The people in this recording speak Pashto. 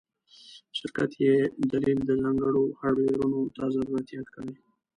شرکت یی دلیل ځانګړو هارډویرونو ته ضرورت یاد کړی